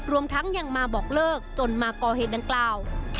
รวมทั้งยังมาบอกเลิกจนมาก่อเหตุดังกล่าว